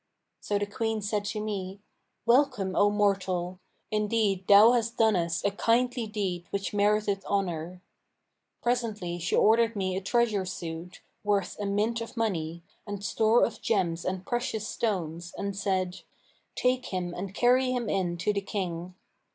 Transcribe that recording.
So the Queen said to me, 'Welcome, O mortal! Indeed thou hast done us a kindly deed which meriteth honour.' Presently she ordered me a treasure suit,[FN#531] worth a mint of money, and store of gems and precious stones, and said, 'Take him and carry him in to the King.'